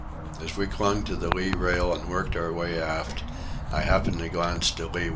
As we clung to the lee rail and worked our way aft, I happened to glance to leeward.